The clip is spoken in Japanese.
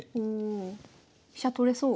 飛車取れそう。